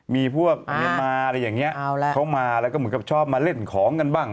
มีพวกเมียนมาอะไรอย่างเงี้ยเขามาแล้วก็เหมือนกับชอบมาเล่นของกันบ้าง